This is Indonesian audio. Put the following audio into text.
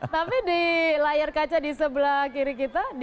tapi di layar kaca di sebelah kiri kita